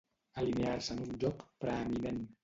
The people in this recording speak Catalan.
Alinear-se en un lloc preeminent.